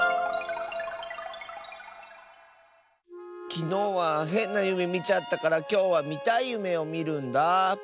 きのうはへんなゆめみちゃったからきょうはみたいゆめをみるんだあ。